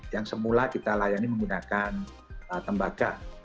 yang semula kita layani menggunakan tembaga